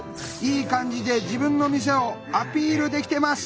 いい感じで自分の店をアピールできてます。